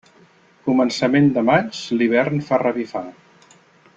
Començament de maig l'hivern fa revifar.